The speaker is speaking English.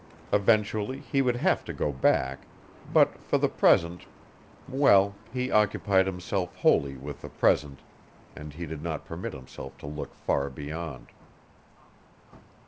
Eventually he would have to go back. But for the present, well, he occupied himself wholly with the present, and he did not permit himself to look far beyond.